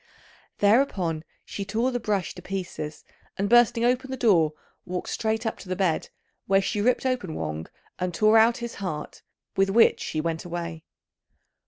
Thereupon, she tore the brush to pieces, and bursting open the door, walked straight up to the bed, where she ripped open Wang and tore out his heart, with which she went away.